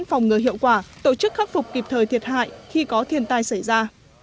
phòng ngừa hiệu quả tổ chức khắc phục kịp thời thiệt hại khi có thiên tai xảy ra